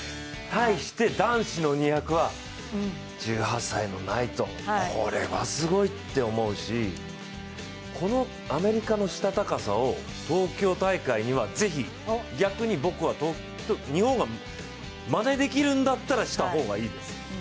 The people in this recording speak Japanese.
対して男子の２００は１８歳のナイトンこれはすごいって思うし、このアメリカのしたたかさを東京大会にはぜひ逆に、僕は日本がまねできるんだったら、した方がいいです。